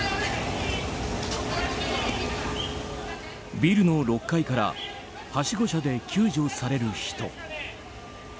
ビルの６階からはしご車で救助される人。